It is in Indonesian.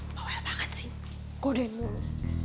bawel banget sih goden mulu